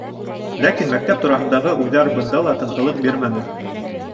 Ләкин мәктәп тураһындағы уйҙар бында ла тынғылыҡ бирмәне: